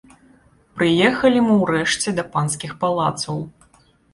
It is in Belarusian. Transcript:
Прыехалі мы ўрэшце да панскіх палацаў.